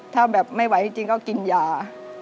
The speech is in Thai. ถ้าแบบไม่ไหวจริงก็กินยา